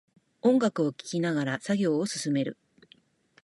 音楽を聴きながら作業を進める